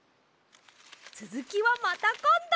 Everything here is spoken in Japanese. つづきはまたこんど。